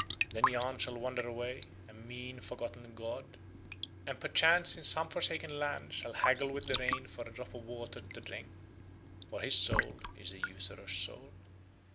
Then Yahn shall wander away, a mean forgotten god, and perchance in some forsaken land shall haggle with the rain for a drop of water to drink, for his soul is a usurer's soul.